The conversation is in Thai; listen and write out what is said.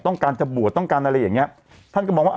ต้องการจะบวชต้องการอะไรอย่างเงี้ยท่านก็มองว่า